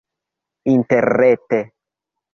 interrete